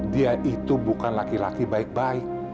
dia itu bukan laki laki baik baik